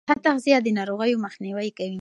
ښه تغذیه د ناروغیو مخنیوی کوي.